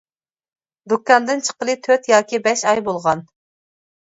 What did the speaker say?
دۇكاندىن چىققىلى تۆت ياكى بەش ئاي بولغان.